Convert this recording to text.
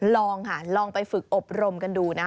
ลองค่ะลองไปฝึกอบรมกันดูนะ